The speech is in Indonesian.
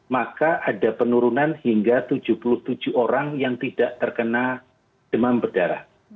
maka ada penurunan hingga tujuh puluh tujuh orang yang tidak terkena demam berdarah